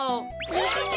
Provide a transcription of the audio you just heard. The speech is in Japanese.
やった！